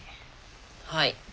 はい。